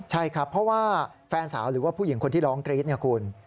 ใช่ครับเพราะว่าแฟนสาวหรือว่าผู้หญิงคนที่ร้องกรี๊ดเนี่ยคุณ